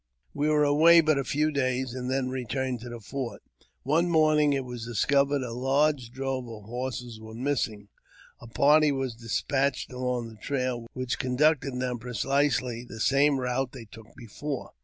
We were away but a few days and then returned to the fort. One morning it was discovered a large drove of horses was missing. A party was despatched along the trail, which conducted them precisely the same route they took before.